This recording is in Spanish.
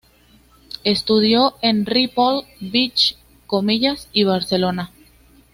Estudió en Ripoll, Vich, Comillas y Barcelona.